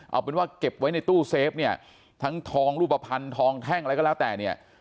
เอาเป็นว่าเก็บไว้ในตู้เซฟเนี่ยทั้งทองรูปภัณฑ์ทองแท่งอะไรก็แล้วแต่เนี่ย